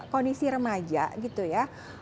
kondisi remaja gitu ya